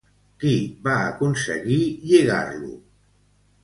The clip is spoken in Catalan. Qui va aconseguir lligar-lo?